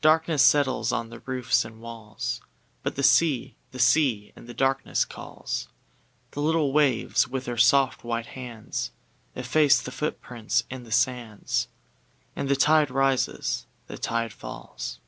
Darkness settles on roofs and walls, But the sea, the sea in the darkness calls; The little waves, with their soft, white hands, Efface the footprints in the sands, And the tide rises, the tide falls.